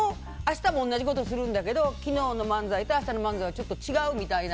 明日も同じことするんだけど昨日の漫才と明日の漫才は違うと。